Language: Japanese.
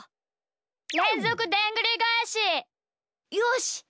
れんぞくでんぐりがえし！よし！